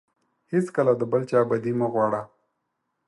هیڅکله د بل چا بدي مه غواړه.